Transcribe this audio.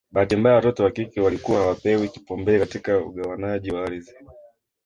Bahati mbaya watoto wa kike walikuwa hawapewi kipaumbele katika ugawanaji wa ardhi